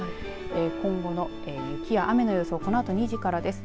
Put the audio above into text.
今後の雪や雨の予想をこのあと２時からです。